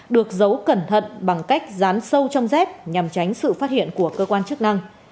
được giấu cẩn thận bằng cách dán sâu trong dép nhằm tránh sự phát hiện của cơ quan chức năng